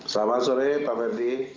selamat sore pak berdi